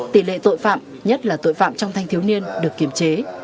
tỷ lệ tội phạm nhất là tội phạm trong thanh thiếu niên được kiểm chế